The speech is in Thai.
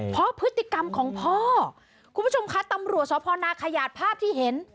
อ๋อคุณผู้ชมคะตำรวจสนขยาดภาพที่เห็น